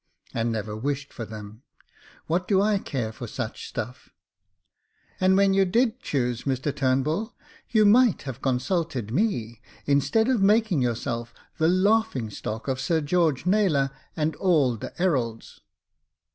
" And never wished for them. What do I care for such stuff?" " And when you did choose, Mr Turnbull, you might have consulted me, instead of making yourself the laughing stock of Sir George Naylor and all the 'eralds.